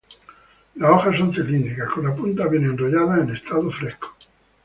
Las hojas son cilíndricas, con la punta bien enrollada en estado fresco.